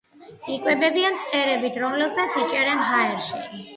იკვებებიან მწერებით, რომელსაც იჭერენ ჰაერში.